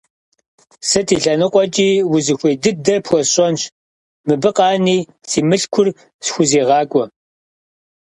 Сыт и лъэныкъуэкӀи узыхуей дыдэр пхуэсщӀэнщ, мыбы къани си мылъкур схузегъакӀуэ.